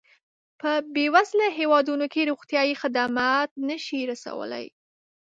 په بېوزله هېوادونو کې روغتیایي خدمات نه شي رسولای.